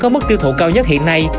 có mức tiêu thụ cao nhất hiện nay